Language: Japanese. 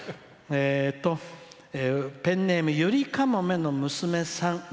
ペンネーム、ゆりかもめの娘さん。